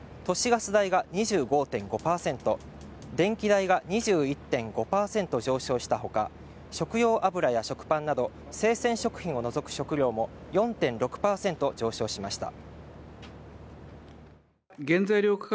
ガス代が２５．５％電気代が２１．５％上昇したほか食用油や食パンなど生鮮食品を除く食料も４．６％上昇しました